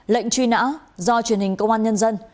lệnh truy nã do truyền hình công an nhân dân